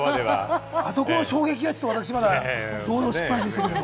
あそこの衝撃がまだ動揺しっぱなしですけれども。